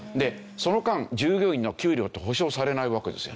その間従業員の給料って補償されないわけですよね。